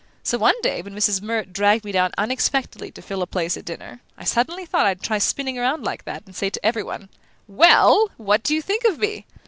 So one day, when Mrs. Murrett dragged me down unexpectedly to fill a place at dinner, I suddenly thought I'd try spinning around like that, and say to every one: 'WELL, WHAT DO YOU THINK OF ME?